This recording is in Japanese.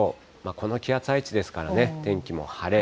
この気圧配置ですからね、天気も晴れ。